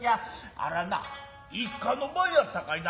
あらないつかの晩やったかいな。